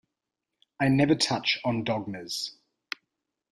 I never touch on dogmas.